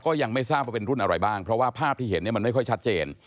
ก็ยังไม่ทราบว่าเป็นรุ่นอะไรบ้างเพราะว่าภาพที่เห็นเนี่ยมันไม่ค่อยชัดเจน